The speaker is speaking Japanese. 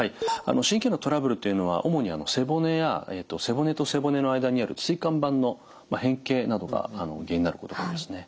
神経のトラブルというのは主に背骨や背骨と背骨の間にある椎間板の変形などが原因になることが多いですね。